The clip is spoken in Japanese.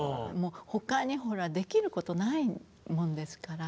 他にほらできることないもんですから。